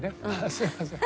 すみません。